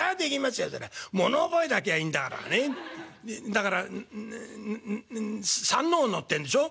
だから『山王の』ってんでしょ？